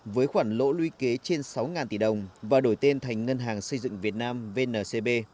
với khoản lỗ luy kế trên sáu tỷ đồng và đổi tên thành ngân hàng xây dựng việt nam vncb